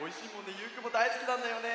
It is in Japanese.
ゆうくんもだいすきなんだよね。